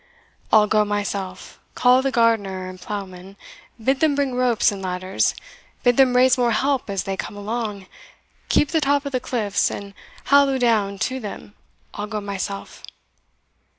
"I'll go myself call the gardener and ploughman bid them bring ropes and ladders bid them raise more help as they come along keep the top of the cliffs, and halloo down to them I'll go myself."